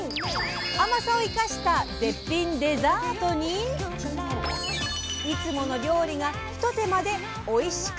甘さを生かした絶品デザートにいつもの料理が一手間でおいしく！